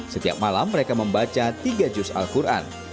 setiap malam mereka membaca tiga juz al quran